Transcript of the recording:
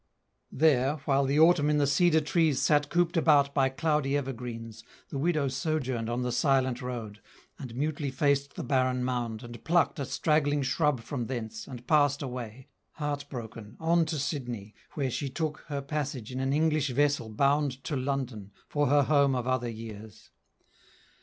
There, while the autumn in the cedar trees Sat cooped about by cloudy evergreens The widow sojourned on the silent road, And mutely faced the barren mound, and plucked A straggling shrub from thence, and passed away, Heart broken, on to Sydney, where she took Her passage in an English vessel bound To London, for her home of other years.